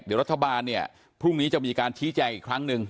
เดี๋ยวรัฐบาลเนี่ยพรุ่งนี้จะมีการชี้แจงอีกครั้งหนึ่ง